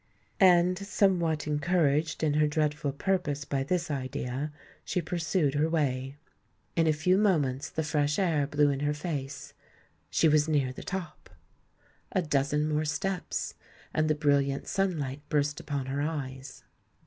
And, somewhat encouraged in her dreadful purpose by this idea, she pursued her way. In a few moments the fresh air blew in her face. She was near the top! A dozen more steps—and the brilliant sun light burst upon her eyes.